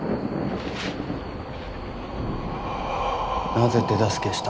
なぜ手助けした？